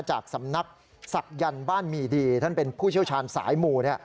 จากสำนักศักยันต์บ้านมีดีท่านเป็นผู้เชี่ยวชาญสายหมู่